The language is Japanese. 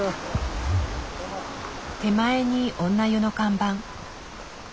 手前に女湯の看板。